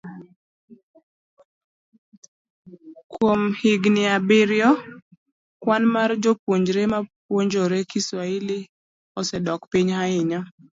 Kuom higini abiriyo, kwan mar jopuonjre mapuonjore Kiswahili osedok piny ahinya.